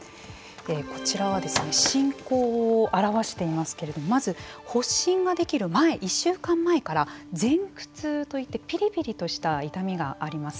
こちらは進行を表していますけれどもまず、発疹ができる前１週間前から前駆痛といってピリピリとした痛みがあります。